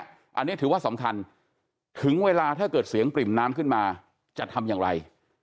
อันนี้ถือว่าสำคัญถึงเวลาถ้าเกิดเสียงปริ่มน้ำขึ้นมาจะทำอย่างไร